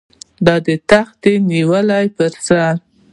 د تخت نیولو پر سر.